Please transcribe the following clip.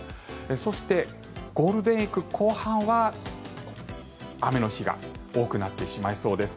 そしてゴールデンウィーク後半は雨の日が多くなってしまいそうです。